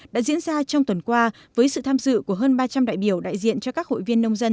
đã diễn ra trong tuần qua với sự tham dự của hơn ba trăm linh đại biểu đại diện cho các hội viên nông dân